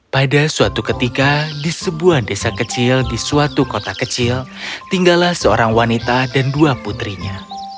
pada suatu ketika di sebuah desa kecil di suatu kota kecil tinggallah seorang wanita dan dua putrinya